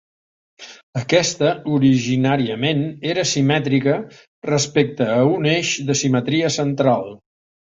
Aquesta originàriament era simètrica respecte a un eix de simetria central.